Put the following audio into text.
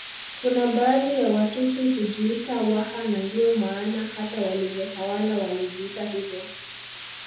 Kuna baadhi ya Watusi hujiita Waha na ndiyo maana hata walivyotawala walijiita hivyo